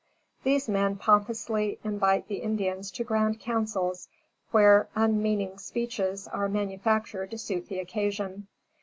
These men pompously invite the Indians to grand councils, where unmeaning speeches are manufactured to suit the occasion.